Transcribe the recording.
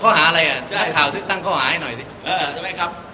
อเจมส์มาเลยอ่ะหน้าข่าวตั้งข้อมายให้หน่อยสิครับ